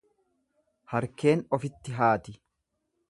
Harkeen ofitti haati.